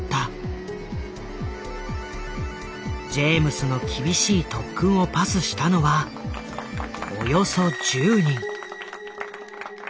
ジェームスの厳しい特訓をパスしたのはおよそ１０人。